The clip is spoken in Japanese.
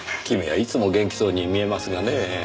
君はいつも元気そうに見えますがねぇ。